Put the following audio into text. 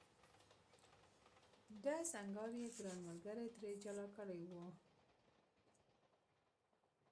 ډز انګاز یې ګران ملګري ترې جلا کړی و.